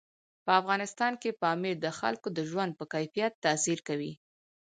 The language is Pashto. په افغانستان کې پامیر د خلکو د ژوند په کیفیت تاثیر کوي.